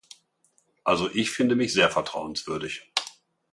Also ich finde mich sehr vertrauenswürdig.